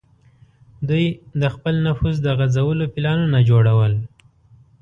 دوی د خپل نفوذ د غځولو پلانونه جوړول.